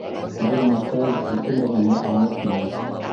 Бер мәҡәл ике мәғәнә аңлатмай.